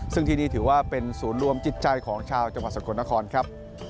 ซึ่งที่นี่ถือว่าเป็นศูนย์รวมจิตใจของชาวจังหวัดสกลนครครับ